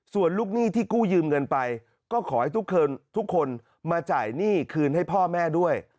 ส่วนลูกหนี้ที่กู้ยืมเงินไปก็ขอให้ทุกคนมาจ่ายหนี้คืนให้พ่อแม่ด้วย